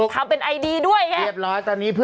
เขาปิดไว้นี่